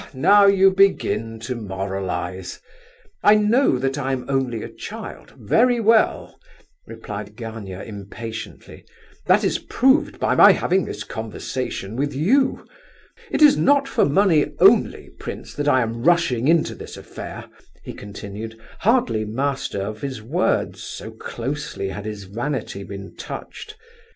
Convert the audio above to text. now you begin to moralize! I know that I am only a child, very well," replied Gania impatiently. "That is proved by my having this conversation with you. It is not for money only, prince, that I am rushing into this affair," he continued, hardly master of his words, so closely had his vanity been touched.